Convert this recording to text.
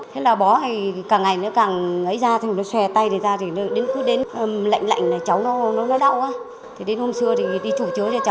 thế là bó thì càng ngày nó càng ấy ra nó xòe tay người ta cứ đến lạnh lạnh là cháu nó đau